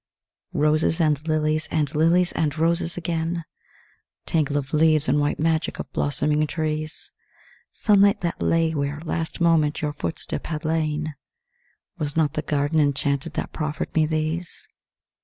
Roses and lilies and lilies and roses again, Tangle of leaves and white magic of blossoming trees, Sunlight that lay where, last moment, your footstep had lain Was not the garden enchanted that proffered me these?